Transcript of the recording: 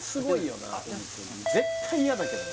絶対嫌だけどね